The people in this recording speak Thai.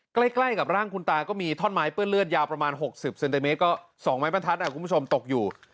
ใกล้กับร่างคุณตาก็มีท่อนไม้เปื้อนเลือดยาวประมาณ๖๐เซนติเมตรก็๒ไม้บรรทัดคุณผู้ชมตกอยู่